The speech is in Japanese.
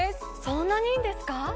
そんなにいいんですか？